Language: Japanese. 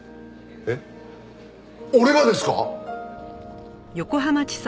えっ？俺がですか！？